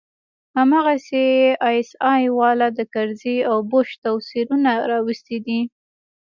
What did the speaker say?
هماغسې آى اس آى والا د کرزي او بوش تصويرونه راوستي دي.